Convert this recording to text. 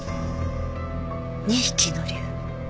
２匹の龍。